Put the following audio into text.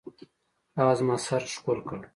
هغه زما سر ښكل كړ.